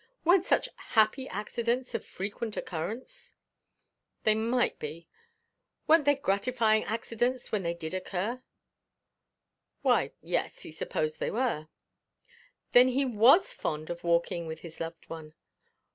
Weren't such happy accidents of frequent occurrence? They might be. Weren't they gratifying accidents when they did occur? Why, yes; he supposed they were. Then he was fond of walking with his loved one?